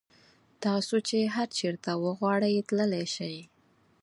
تاسو چې هر چېرته وغواړئ تللی شئ.